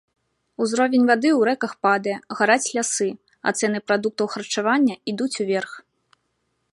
Узровень вады ў рэках падае, гараць лясы, а цэны прадуктаў харчавання ідуць уверх.